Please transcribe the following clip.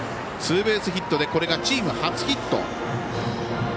ツーベースヒットでこれがチーム初ヒット。